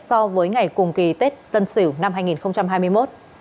so với ngày cùng kỳ tết tân sửu năm hai nghìn hai mươi một